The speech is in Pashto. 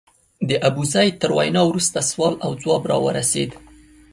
د ابوزید تر وینا وروسته سوال او ځواب راورسېد.